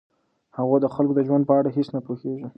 هغه د خلکو د ژوند په اړه هیڅ نه پوهیږي.